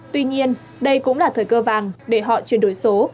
tuy nhiên đây cũng là thời cơ vàng để họ chuyển đổi số